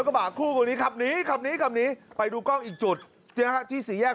กระบะคู่กรณีขับหนีขับหนีขับหนีไปดูกล้องอีกจุดนะฮะที่สี่แยก